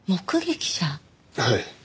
はい。